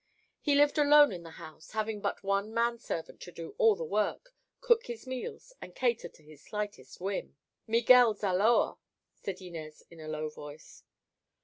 He lived alone in the house, having but one man servant to do all the work, cook his meals and cater to his slightest whim." "Miguel Zaloa," said Inez in a low voice.